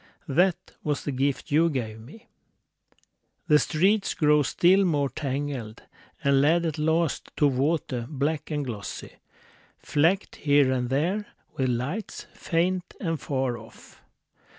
That was the gift you gave me. ... The streets grew still more tangled, And led at last to water black and glossy, Flecked here and there with lights, faint and far off.